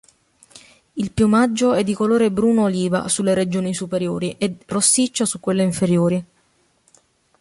Il piumaggio è di colore bruno-oliva sulle regioni superiori e rossiccio su quelle inferiori.